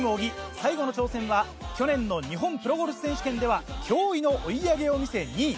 最後の挑戦は去年の日本プロゴルフ選手権では驚異の追い上げを見せ２位。